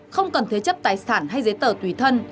không cần thế chấp tài sản hay giấy tờ tùy thân